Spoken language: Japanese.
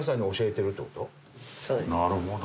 なるほど。